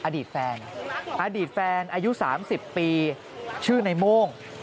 อดีตแฟนอายุ๓๐ปีชื่อนายโม่ง